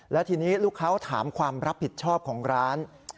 และทีนี้ลูกค้าถามความรับผิดชอบของร้าน